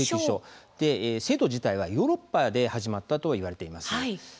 制度自体はヨーロッパで始まったといわれています。